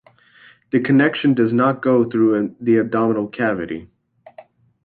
The connection does not go through the abdominal cavity.